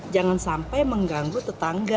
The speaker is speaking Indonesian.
jangan sampai mengganggu tetangga